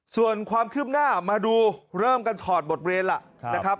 ส่วนความคืบหน้ามาดูเริ่มกันถอดบทเรียนล่ะนะครับ